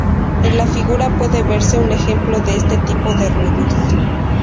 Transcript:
En la figura puede verse un ejemplo de este tipo de redes.